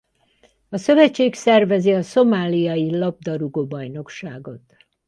A szövetség szervezi a Szomáliai labdarúgó-bajnokságot.